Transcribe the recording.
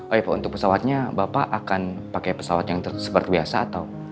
oh ya pak untuk pesawatnya bapak akan pakai pesawat yang seperti biasa atau